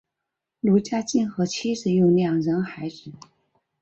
卢家进和妻子有两人孩子。